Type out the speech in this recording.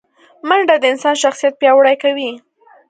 منډه د انسان شخصیت پیاوړی کوي